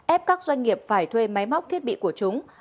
ép các doanh nghiệp phải thuê máy móc thiết bị của chúng